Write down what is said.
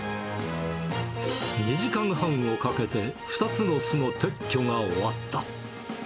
２時間半をかけて、２つの巣の撤去が終わった。